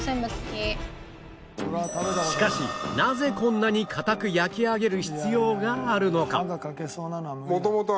しかしなぜこんなに硬く焼き上げる必要があるのか？